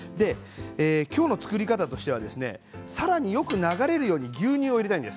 今日の作り方としてはさらによく流れるように牛乳を入れたいんです。